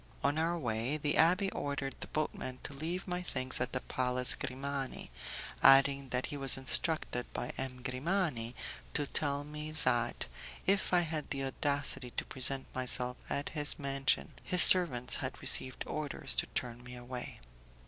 On our way, the abbé ordered the boatman to leave my things at the Palace Grimani, adding that he was instructed by M. Grimani to tell me that, if I had the audacity to present myself at his mansion, his servants had received orders to turn me away.